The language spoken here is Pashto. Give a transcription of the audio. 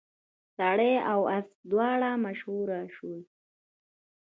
سړی او اس دواړه مشهور شول.